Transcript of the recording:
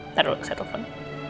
ntar dulu saya telfon